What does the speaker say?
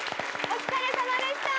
お疲れさまでした。